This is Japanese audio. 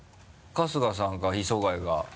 春日さんか磯貝が。